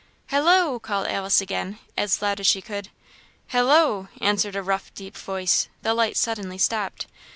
"Halloo!" called Alice, again, as loud as she could. "Halloo!" answered a rough deep voice. The light suddenly stopped.